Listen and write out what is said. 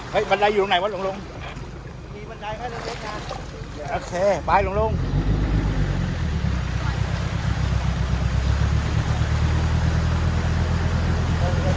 เฮ้ยบันไดอยู่ตรงไหนวะหลงหลงมีบันไดไหมลงน่ะโอเคไป